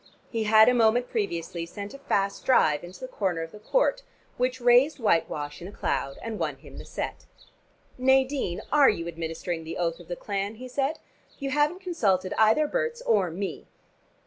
He had a moment previously sent a fast drive into the corner of the court, which raised whitewash in a cloud, and won him the set. "Nadine, are you administering the oath of the clan?" he said. "You haven't consulted either Berts or me."